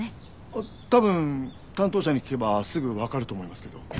多分担当者に聞けばすぐわかると思いますけど。